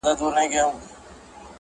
دوه غوايي يې ورته وچیچل په لار کي.!